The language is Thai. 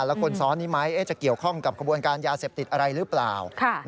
แล้วคนซ้อนนี้ไหมจะเกี่ยวข้องกับกระบวนการยาเสพติดอะไรหรือเปล่า